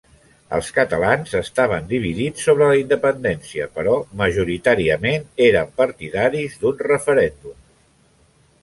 Els catalans estaven dividits sobre la independència però majoritàriament eren partidaris d'un referèndum.